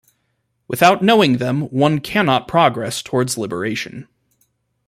Without knowing them one cannot progress towards liberation.